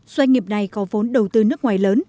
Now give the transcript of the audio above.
doanh nghiệp này có vốn đầu tư nước ngoài lớn